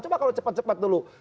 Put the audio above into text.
coba kalau cepat cepat dulu